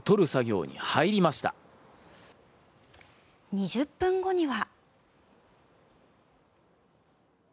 ２０分後には。